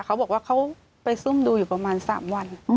เขาบอกว่าเขาไปซุ่มดูอยู่ประมาณ๓วัน